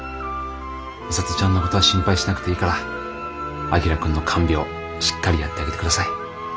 美里ちゃんの事は心配しなくていいから旭君の看病しっかりやってあげて下さい。